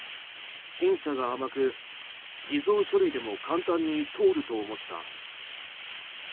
審査が甘く、偽造書類でも簡単に通ると思った。